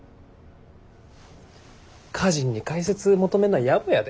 歌人に解説求めんのはやぼやで。